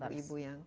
jadi ibu ibu yang